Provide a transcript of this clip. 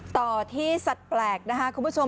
ต่อที่สัดแปลกนะครับคุณผู้ชม